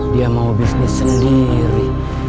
dia mau bisnis sendiri